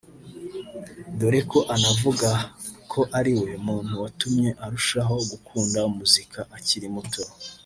dore ko anavuga ko ariwe muntu watumye arushaho gukunda muzika akiri muto